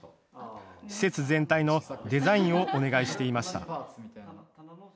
施設全体のデザインをお願いしていました。